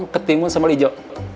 ketimbun sambal hijau